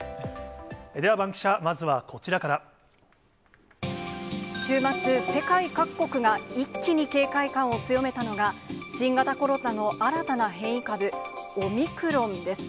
ではバンキシャ、まずはこち週末、世界各国が一気に警戒感を強めたのが、新型コロナの新たな変異株、オミクロンです。